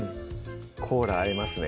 コーラ合いますね